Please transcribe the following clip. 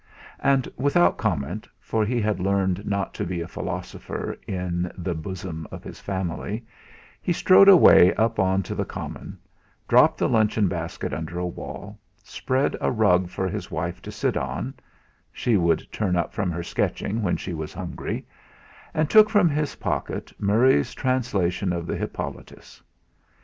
And, without comment, for he had learned not to be a philosopher in the bosom of his family, he strode away up on to the common, dropped the luncheon basket under a wall, spread a rug for his wife to sit on she would turn up from her sketching when she was hungry and took from his pocket Murray's translation of the "Hippolytus."